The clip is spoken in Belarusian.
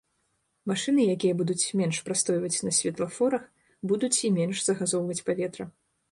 Машыны, якія будуць менш прастойваць на светлафорах, будуць і менш загазоўваць паветра.